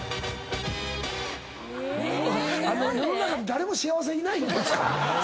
誰も幸せいないんですか